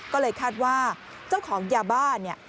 ก็เลยคาดว่าเจ้าของยาบ้าเนี่ย